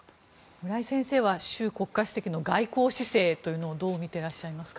村井先生は習国家主席の外交姿勢をどう見てらっしゃいますか？